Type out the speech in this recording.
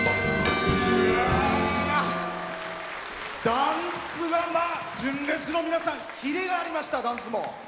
ダンスが、純烈の皆さんキレがありました、ダンスも。